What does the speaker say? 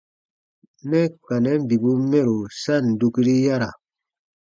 Nɛ ka nɛn bibun mɛro sa ǹ dukiri yara.